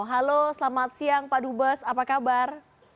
halo selamat siang pak dubes apa kabar